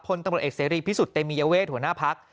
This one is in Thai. พลตำรวจเอกเสรีพิสุทธิ์เตมียเวทหัวหน้าพัก